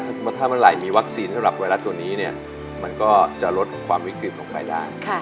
ถ้าเมื่อไหร่มีวัคซีนสำหรับไวรัสตัวนี้เนี่ยมันก็จะลดความวิกฤตลงไปได้